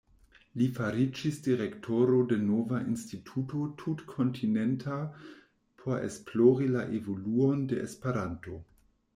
Li fariĝis direktoro de nova instituto tutkontinenta, por esplori la evoluon de Esperanto.